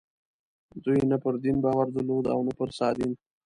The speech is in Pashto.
دوی نه پر دین باور درلود او نه پر سادین.